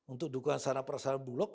untuk dukungan sana perasaan bulog